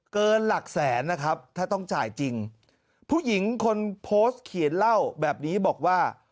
หลักแสนนะครับถ้าต้องจ่ายจริงผู้หญิงคนโพสต์เขียนเล่าแบบนี้บอกว่า